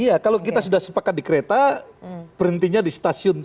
iya kalau kita sudah sepakat di kereta berhentinya di stasiun